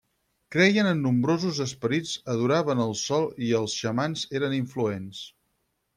Creien en nombrosos esperits, adoraven el sol i els xamans eren influents.